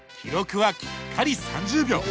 記録はきっかり３０秒。